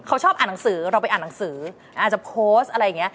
เขาชอบอ่านหนังสือเราไปอ่านหนังสืออาจจะโพสต์อะไรอย่างนี้